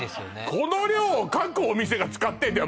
この量を各お店が使ってんだよ？